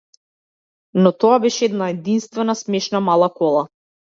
Но тоа беше една единствена, смешна мала кола.